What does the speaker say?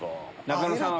仲野さん。